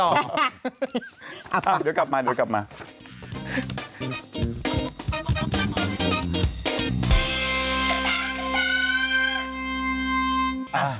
เดี๋ยวกลับมาเดี๋ยวกลับมา